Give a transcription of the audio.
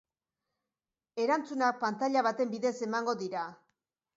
Erantzunak pantaila baten bidez emango dira.